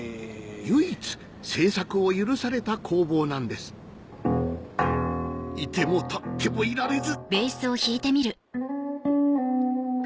唯一製作を許された工房なんです居ても立ってもいられず